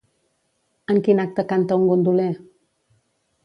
En quin acte canta un gondoler?